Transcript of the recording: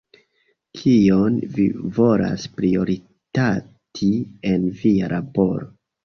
Kion vi volas prioritati en via laboro?